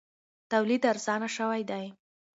تولید ارزانه شوی دی.